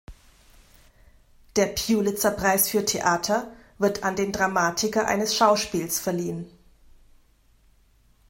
Der Pulitzer-Preis für Theater wird an den Dramatiker eines Schauspiels verliehen.